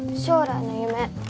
「将来の夢」。